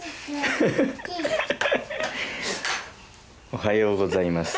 おはようございます。